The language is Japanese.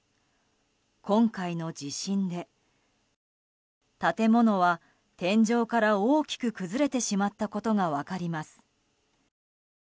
今回の地震で建物は天井から大きく崩れてしまったことが分かります。